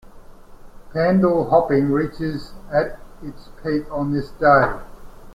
Pandal hopping reaches at its peak on this day.